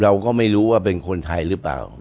เราก็ไม่รู้ว่าเป็นคนไทยหรือเปล่า